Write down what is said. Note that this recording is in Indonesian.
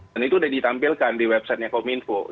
dan itu sudah ditampilkan di websitenya kominfo